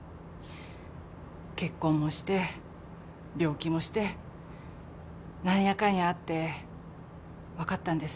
結婚もして病気もして何やかんやあって分かったんです